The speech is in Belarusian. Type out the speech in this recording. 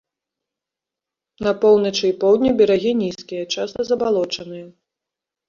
На поўначы і поўдні берагі нізкія, часта забалочаныя.